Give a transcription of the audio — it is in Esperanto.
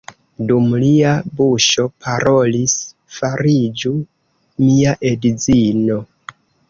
Dum lia buŝo parolis: fariĝu mia edzino!